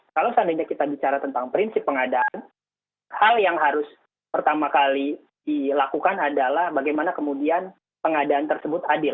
kalau seandainya kita bicara tentang prinsip pengadaan hal yang harus pertama kali dilakukan adalah bagaimana kemudian pengadaan tersebut adil